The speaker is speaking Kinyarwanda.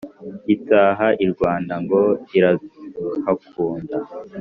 Itaha i Rwanda ngo irahakunda